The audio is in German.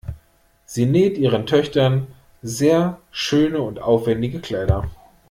Sie näht ihren Töchtern sehr schöne und aufwendige Kleider.